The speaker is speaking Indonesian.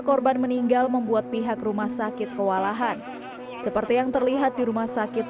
korban meninggal membuat pihak rumah sakit kewalahan seperti yang terlihat di rumah sakit